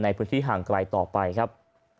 ในพื้นที่ห่างไกลต่อไปครับ